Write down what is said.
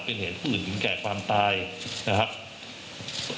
เป็นเหตุผู้อื่นถึงแก่ความตายนะครับ